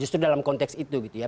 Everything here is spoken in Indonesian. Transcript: justru dalam konteks itu gitu ya